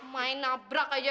main nabrak aja